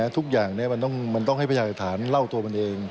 ทุกอย่างเนี่ยมันต้องให้ประหยัดฐานเล่าตัวมันเอง